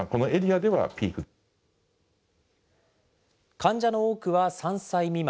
患者の多くは３歳未満。